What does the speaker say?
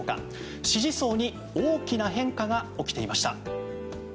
支持層に大きな変化が起きていました。